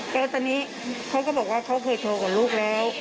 แล้วตอนนี้เขาก็บอกว่าเขาเคยโทรกับลูกแล้ว